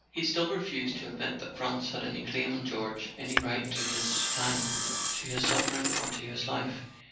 He still refused to admit that France had any claim on George, any right to his time, to his suffering or to his life.